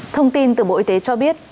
thông tin từ bộ y tế cho biết